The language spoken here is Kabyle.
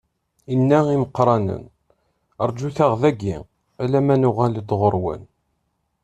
Inna i imeqqranen: Rǧut-aɣ dagi alamma nuɣal-d ɣur-wen.